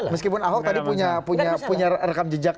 meskipun ahok tadi punya rekam jejak